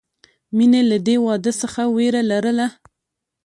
مینې له دې واده څخه وېره لرله